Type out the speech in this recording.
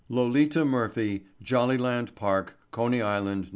LOLITA MURPHY, JOLLYLAND PARK, CONEY ISLAND, N.